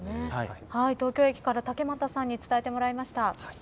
東京駅から竹俣さんに伝えてもらいました。